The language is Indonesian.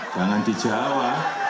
jangan di jawa